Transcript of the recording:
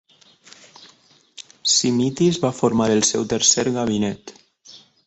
Simitis va formar el seu tercer gabinet.